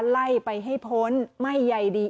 ไล่ไปให้พ้นไม่ใยดี